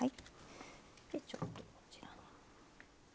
ちょっとこちらの。